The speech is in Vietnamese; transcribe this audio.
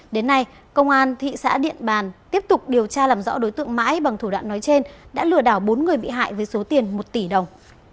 đến nay công an thị xã điện bàn tiếp tục điều tra làm rõ đối tượng mãi bằng thủ đoạn nói trên đã lừa đảo bốn người bị hại với số tiền một tỷ đồng